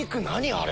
あれ。